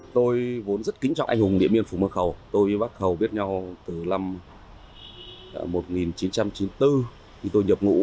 tôi vốn rất kính trọng anh hùng điện biên phùng văn khầu tôi với bác khầu viết nhau từ năm một nghìn chín trăm chín mươi bốn thì tôi nhập ngũ